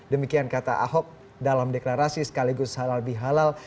demikian kata ahok dalam deklarasi sekaligus halal bihalal